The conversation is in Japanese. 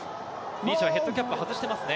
リーチはヘッドキャップ、外してますね。